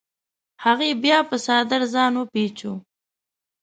هغې بیا په څادر ځان وپیچوه.